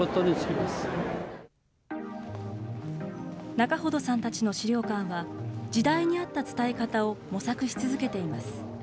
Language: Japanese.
仲程さんたちの資料館は、時代に合った伝え方を模索し続けています。